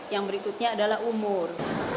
yang berikutnya adalah umur